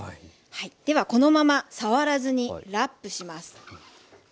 ではこのまま触らずにラップします。